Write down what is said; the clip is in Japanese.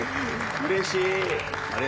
うれしい。